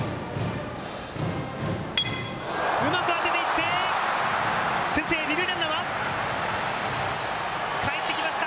うまく当てていって先制二塁ランナーは帰ってきました。